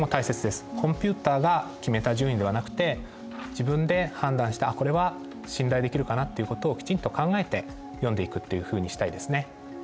コンピューターが決めた順位ではなくて自分で判断してこれは信頼できるかなっていうことをきちんと考えて読んでいくっていうふうにしたいですね。